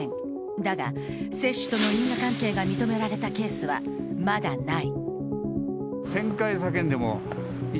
だが、接種との因果関係が認められたケースはまだない。